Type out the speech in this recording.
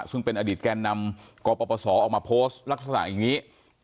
ซึ่งเป็นอดีตแก่นำกปศออกมาโพสต์ลักษณะอย่างนี้